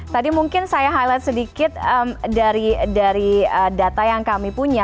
tadi mungkin saya highlight sedikit dari data yang kami punya